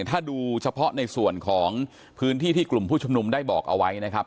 ถ้าดูเฉพาะในส่วนของพื้นที่ที่กลุ่มผู้ชุมนุมได้บอกเอาไว้นะครับ